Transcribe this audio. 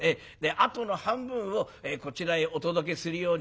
あとの半分をこちらへお届けするようにいたします。